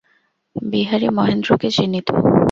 বিহারী মহেন্দ্রকে চিনিত।